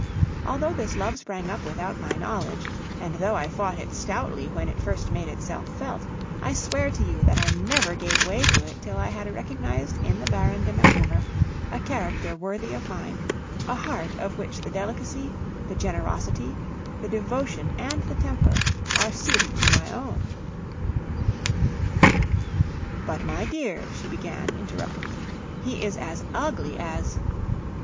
Although this love sprang up without my knowledge, and though I fought it stoutly when it first made itself felt, I swear to you that I never gave way to it till I had recognized in the Baron de Macumer a character worthy of mine, a heart of which the delicacy, the generosity, the devotion, and the temper are suited to my own." "But, my dear," she began, interrupting me, "he is as ugly as..."